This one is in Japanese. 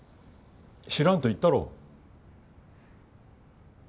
知らんと言ったろ。